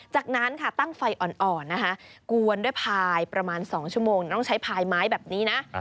จากนั้นค่ะตั้งไฟอ่อนนะคะกวนด้วยพายประมาณ๒ชั่วโมงต้องใช้พายไม้แบบนี้นะ